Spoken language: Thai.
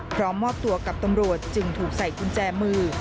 มอบตัวกับตำรวจจึงถูกใส่กุญแจมือ